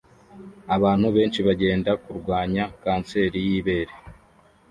Abantu benshi bagenda kurwanya kanseri y'ibere